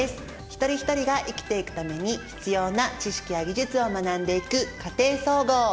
一人一人が生きていくために必要な知識や技術を学んでいく「家庭総合」。